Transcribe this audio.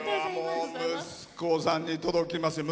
息子さんに届きますよ。